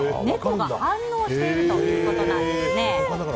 猫が反応しているということなんですね。